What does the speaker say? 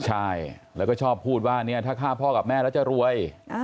ใช่แล้วก็ชอบพูดว่าถ้าฆ่าพ่อกับแม่แล้วจะรวย